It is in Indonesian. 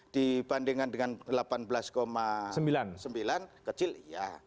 dibandingkan dengan rp delapan belas sembilan triliun kecil iya